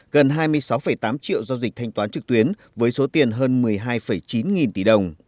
gần hai mươi sáu tám triệu do dịch thanh toán trực tuyến với số tiền hơn một mươi hai chín nghìn tỷ đồng